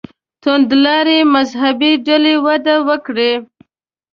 توندلارې مذهبي ډلې وده وکړي.